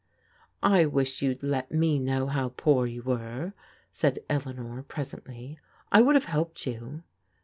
" I wish you'd let me know how poor you were," said Eleanor presently. " I would have helped you."